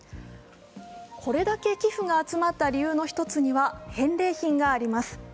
これだけ寄付が集まった理由の１つには返礼品があります。